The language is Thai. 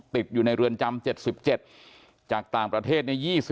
ติดอยู่ในเรือนจำ๗๗จากต่างประเทศ